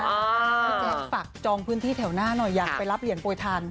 พี่แจ๊คฝากจองพื้นที่แถวหน้าหน่อยอยากไปรับเหรียญโปรยทาน